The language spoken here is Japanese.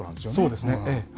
そうですね。